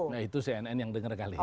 nah itu cnn yang denger kali ini